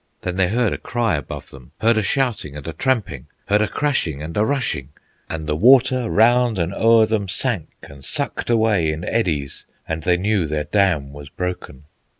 Then they heard a cry above them, Heard a shouting and a tramping, Heard a crashing and a rushing, And the water round and o'er them Sank and sucked away in eddies, And they knew their dam was broken.